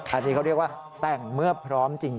อันนี้เขาเรียกว่าแต่งเมื่อพร้อมจริง